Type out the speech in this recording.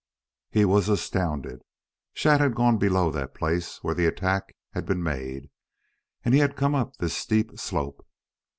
He was astounded. Shadd had gone below that place where the attack had been made and he had come up this steep slope.